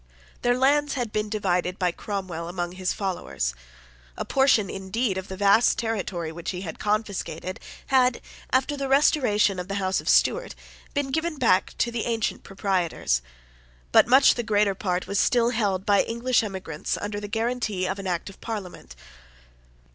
Their lands had been divided by Cromwell among his followers. A portion, indeed, of the vast territory which he had confiscated had, after the restoration of the House of Stuart, been given back to the ancient proprietors. But much the greater part was still held by English emigrants under the guarantee of an Act of Parliament.